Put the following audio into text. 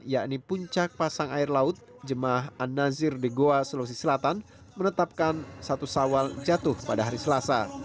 yakni puncak pasang air laut jemaah an nazir di goa sulawesi selatan menetapkan satu sawal jatuh pada hari selasa